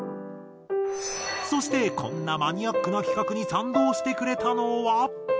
そしてこんなマニアックな企画に賛同してくれたのは。